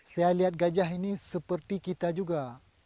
saya lihat gajah ini seperti kita juga